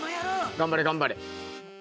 頑張れ頑張れ！